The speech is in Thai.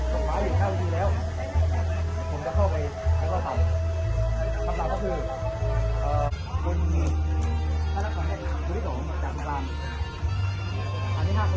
ขวาอยู่แล้วผมจะเข้าไปให้เขาถามคำถามก็คือเอ่อ